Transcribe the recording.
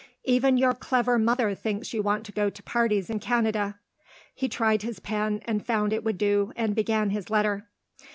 Even your clever mother thinks you want to go to parties in Canada." He tried his pen, and found it would do and began his letter.